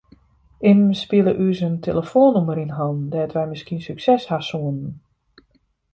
Immen spile ús in telefoannûmer yn hannen dêr't wy miskien sukses hawwe soene.